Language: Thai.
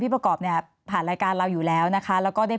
บิปกปะเนี่ยผ่านราคาอยู่แล้วนะคะแล้วก็ได้